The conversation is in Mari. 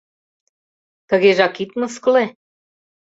— Тыгежак ит мыскыле.